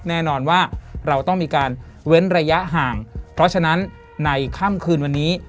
แน่นอนว่าเราต้องมีการเว้นระยะห่างเพราะฉะนั้นในค่ำคืนวันนี้